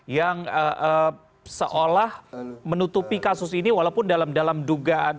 yang seolah menutupi kasus ini walaupun dalam dugaan